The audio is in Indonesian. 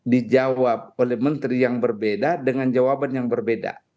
dijawab oleh menteri yang berbeda dengan jawaban yang berbeda